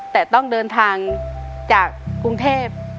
แต่ต้องเดินทางจากกรุงเทพ